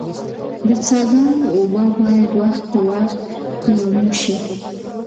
د څاه ګانو اوبه باید وخت په وخت کلورین شي.